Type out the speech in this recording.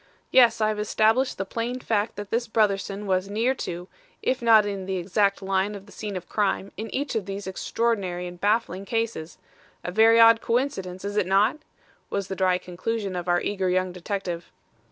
Yes, I have established the plain fact that this Brotherson was near to, if not in the exact line of the scene of crime in each of these extraordinary and baffling cases. A very odd coincidence, is it not?" was the dry conclusion of our eager young detective.